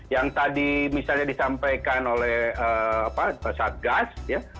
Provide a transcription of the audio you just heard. yang tadi misalnya disampaikan oleh apa saat gas ya